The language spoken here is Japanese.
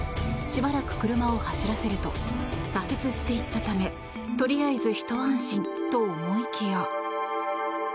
しばらく車を走らせると左折していったためとりあえずひと安心と思いきや。